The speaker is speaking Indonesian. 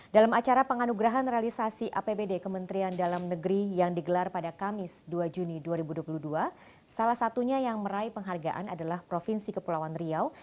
dalam acara penganugerahan realisasi apbd kementerian dalam negeri yang digelar pada kamis dua juni dua ribu dua puluh dua salah satunya yang meraih penghargaan adalah provinsi kepulauan riau